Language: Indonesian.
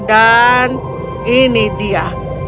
dan ini dia